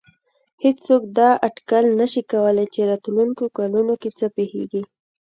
هېڅوک دا اټکل نه شي کولای چې راتلونکو کلونو کې څه پېښېږي.